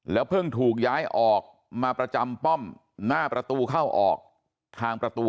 เพิ่งถูกย้ายออกมาประจำป้อมหน้าประตูเข้าออกทางประตู